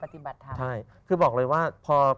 ในที่สุดต้องหาทางออกเจอด้วยการปฏิบัติธรรม